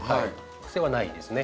癖はないですね。